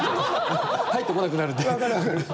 入ってこなくなるんで。